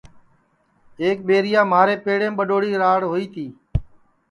ایک ٻیریا مھارے پیڑیم ٻڈؔوڑی راڑ ہوئی تی